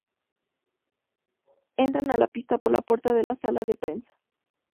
Entran a la pista por la puerta de la sala de prensa.